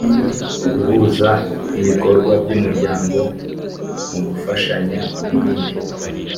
guhuza ibikorwa byumuryango mugufashanya nibindi